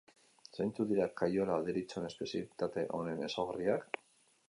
Zeintzuk dira kaiola deritzon espezialitate honen ezaugarriak?